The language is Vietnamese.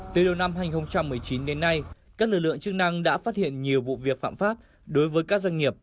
từ đầu năm hai nghìn một mươi chín đến nay các lực lượng chức năng đã phát hiện nhiều vụ việc phạm pháp đối với các doanh nghiệp